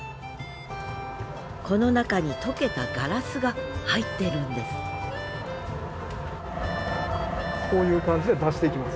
この中に溶けたガラスが入っているんですこういう感じで出していきます。